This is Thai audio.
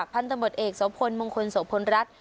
พันธบทเอกโสพลมงคลโสพลรัฐ